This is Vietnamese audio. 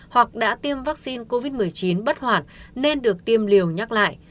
hoặc đã tiêm vaccine covid một mươi chín bất hoàn nên được tiêm liều nhắc lại